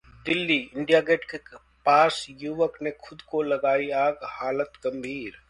Delhi: India Gate के पास युवक ने खुद को लगाई आग, हालत गंभीर